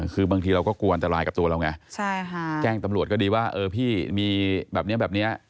คือบางทีเราก็กลัวอันตรายกับตัวเราไงแจ้งตำรวจก็ดีว่าเออพี่มีแบบนี้แบบนี้